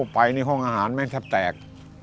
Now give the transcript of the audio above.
ไปในห้องอาหารแม่งแทบแตก